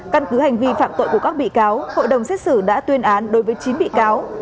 căn cứ hành vi phạm tội của các bị cáo hội đồng xét xử đã tuyên án đối với chín bị cáo